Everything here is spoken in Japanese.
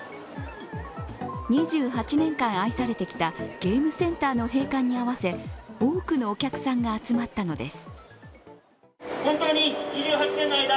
２８年間愛されてきたゲームセンターの閉館に合わせ多くのお客さんが集まったのです。